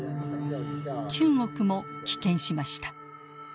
中国も棄権しました。